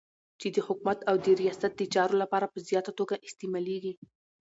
چی د حکومت او د ریاست دچارو لپاره په زیاته توګه استعمالیږی